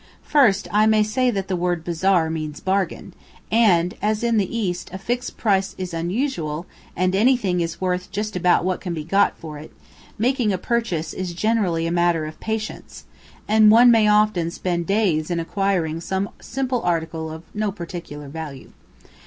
First, I may say that the word "bazaar" means "bargain," and as in the East a fixed price is unusual, and anything is worth just what can be got for it, making a purchase is generally a matter of patience, and one may often spend days in acquiring some simple article of no particular value.